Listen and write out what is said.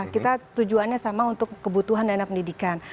kita tujuannya sama untuk kebutuhan dana pendidikan